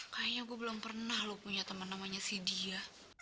kayaknya gue belum pernah lu punya teman namanya si dia